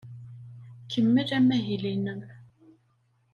Kemmel amahil-nnem.